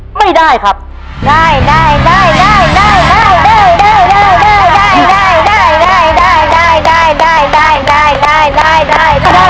จะแพ้